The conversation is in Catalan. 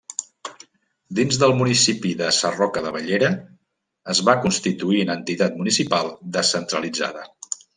Dins del municipi de Sarroca de Bellera, es va constituir en entitat municipal descentralitzada.